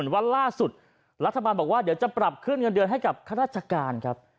ว่าล่าสุดรัฐบาลบอกว่าเดี๋ยวจะปรับขึ้นเงินเดือนให้กับข้าราชการครับ